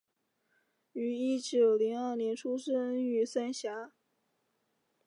於一九零二年出生于三峡